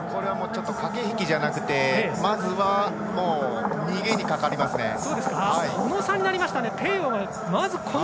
駆け引きじゃなくてまずは、逃げにかかりますね。